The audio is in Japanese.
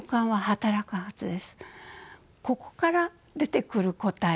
ここから出てくる答え